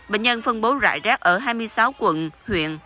bệnh nhân phân bố rải rác ở hai mươi sáu quận huyện